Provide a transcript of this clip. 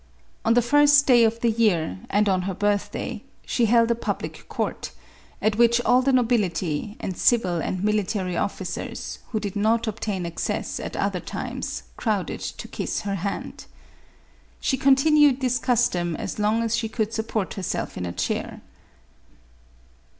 On the first day of the year, and on her birth day, she held a public court, at which all the nobility, and civil and military officers, who did not obtain access at other times, crowded to kiss her hand. She continued this custom as long as she could support herself in a chair.